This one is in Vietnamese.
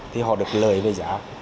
thì họ được lời về giá